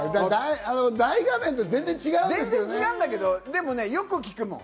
大画面で全然違うんですけどでも、よく聞くもん。